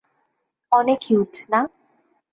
অনেক কিউট, না?